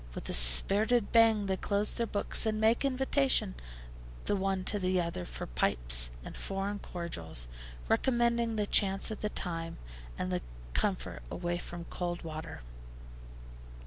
With a spirited bang they close their books, and make invitation the one to the other for pipes and foreign cordials, recommending the chance of the time, and the comfort away from cold water.